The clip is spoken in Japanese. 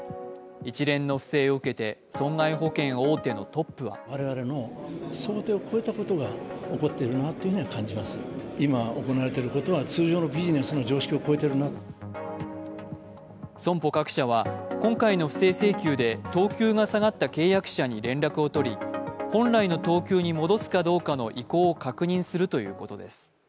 一連の不正を受けて、損害保険大手のトップは損保各社は今回の不正請求で等級が下がった契約者に連絡を取り本来の等級に戻すかどうかの意向を確認するということです。